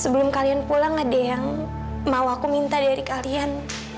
sebelum kalian pulang ada yang mau aku minta dari kalian